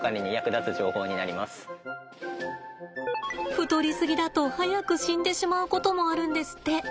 太りすぎだと早く死んでしまうこともあるんですって。